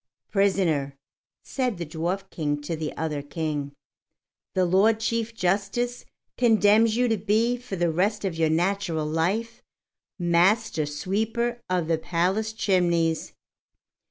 "Prisoner," said the Dwarf King to the other King, "the Lord Chief Justice condemns you to be for the rest of your natural life Master Sweeper of the Palace Chimneys."